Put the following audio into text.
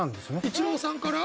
イチローさんから？